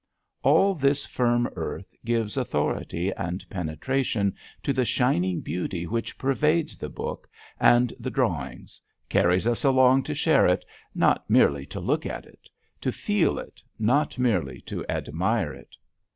All this firm earth gives authority and penetration to the shining beauty which pervades the book and the drawings, carries us along to share it, not merely to look at it; to feel it, not merely to admire it.